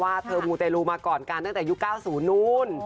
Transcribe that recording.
เธอมูเตรลูมาก่อนกันตั้งแต่ยุค๙๐นู้น